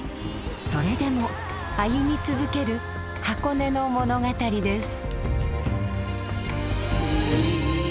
それでも歩み続ける箱根の物語です。